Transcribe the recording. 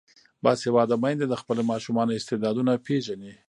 باسواده میندې د خپلو ماشومانو استعدادونه پیژني.